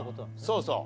そうそう。